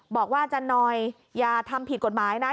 อาจารย์หน่อยอย่าทำผิดกฎหมายนะ